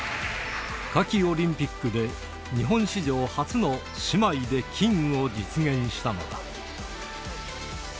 夏季オリンピックで日本史上初の姉妹で金を実現したのだ。